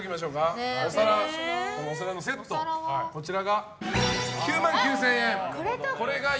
お皿のセットは９万９０００円。